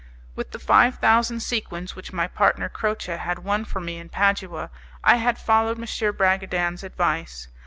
With the five thousand sequins which my partner Croce had won for me in Padua I had followed M. Bragadin's advice.